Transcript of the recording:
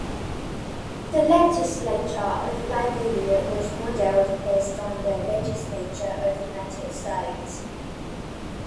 The Legislature of Liberia was modeled based on the Legislature of United States.